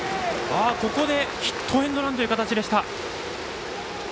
ここでヒットエンドランという形でした。